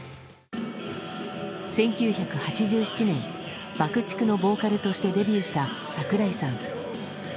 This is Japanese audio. １９８７年ＢＵＣＫ‐ＴＩＣＫのボーカルとしてデビューした櫻井さん。